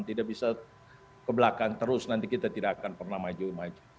tidak bisa ke belakang terus nanti kita tidak akan pernah maju maju